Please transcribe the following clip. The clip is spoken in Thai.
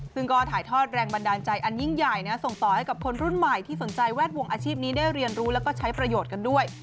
ซึ่งก็ถ่ายทอดแรงบันดาลใจอันยิ่งใหญ่ส่งต่อให้กับคนรุ่นใหม่ที่สนใจแวดวงอาชีพนี้ได้เรียนรู้แล้วก็ใช้ประโยชน์กันด้วย